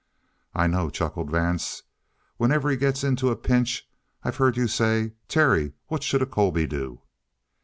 "I know," chuckled Vance. "Whenever he gets in a pinch, I've heard you say: 'Terry, what should a Colby do?'"